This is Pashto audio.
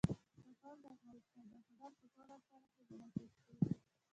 کابل د افغانستان د هنر په ټولو اثارو کې منعکس کېږي.